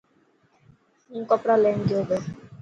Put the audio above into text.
هون ڪپڙا ليڻ گيو تو.